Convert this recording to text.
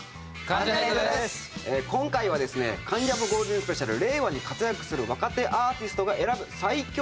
安田：今回はですね「関ジャム」ゴールデンスペシャル令和に活躍する若手アーティストが選ぶ最強